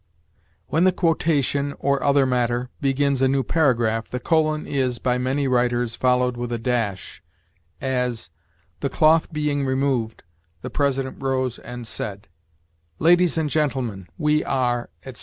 When the quotation, or other matter, begins a new paragraph, the colon is, by many writers, followed with a dash; as, "The cloth being removed, the President rose and said: "'Ladies and gentlemen, we are,'" etc.